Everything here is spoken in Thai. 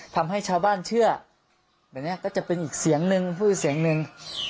ทำให้ชาวบ้านเชื่อแบบนี้ก็จะเป็นอีกเสียงนึงพูดเสียงหนึ่ง